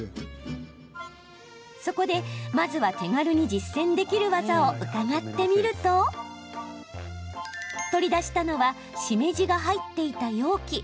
そこで、まずは手軽に実践できる技を伺ってみると取り出したのはしめじが入っていた容器。